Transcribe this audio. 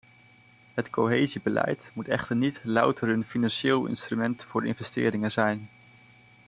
Het cohesiebeleid moet echter niet louter een financieel instrument voor investeringen zijn.